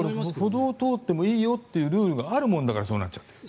歩道を通ってもいいよというルールがあるもんだからそうなっている。